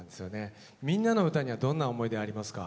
「みんなのうた」にはどんな思い出ありますか？